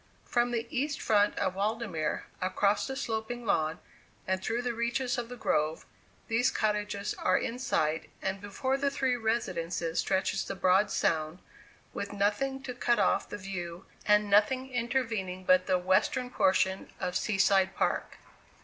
From the east front of Waldemere, across the sloping lawn, and through the reaches of the grove, these cottages are in sight, and before the three residences stretches the broad Sound, with nothing to cut off the view, and nothing intervening but the western portion of Sea side Park.